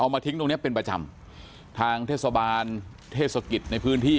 มาทิ้งตรงเนี้ยเป็นประจำทางเทศบาลเทศกิจในพื้นที่